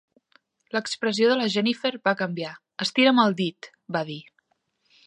L'expressió de la Jennifer va canviar. "Estira'm el dit" va dir.